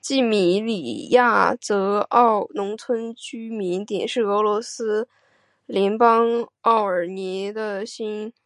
季米里亚泽沃农村居民点是俄罗斯联邦沃罗涅日州新乌斯曼区所属的一个农村居民点。